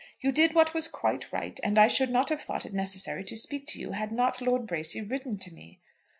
You did what was quite right, and I should not have thought it necessary to speak to you had not Lord Bracy written to me."